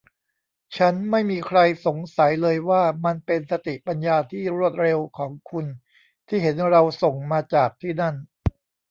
ฉันไม่มีใครสงสัยเลยว่ามันเป็นสติปัญญาที่รวดเร็วของคุณที่เห็นเราส่งมาจากที่นั่น